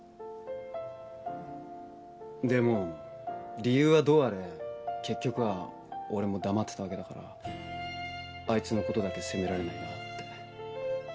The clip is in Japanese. でも理由はどうあれ結局は俺も黙ってたわけだからあいつのことだけ責められないなって。